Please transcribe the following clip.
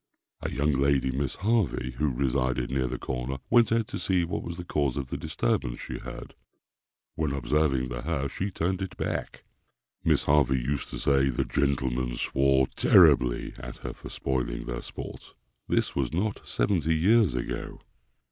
A young lady, Miss Harvey, who resided near the corner, went out to see what was the cause of the disturbance she heard, when observing the hare, she turned it back. Miss Harvey used to say "the gentlemen swore terribly" at her for spoiling their sport. This was not seventy years ago!